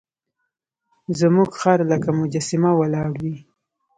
زموږ خر لکه مجسمه ولاړ وي.